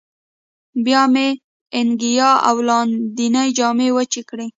بیا مې انګیا او لاندینۍ جامې وچې کړې.